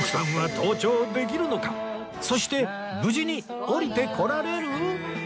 そして無事に下りてこられる？